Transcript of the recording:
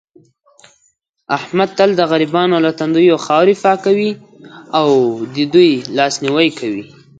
احمد تل د غریبانو له تندیو خاورې پاکوي او دې دوی لاس نیوی کوي.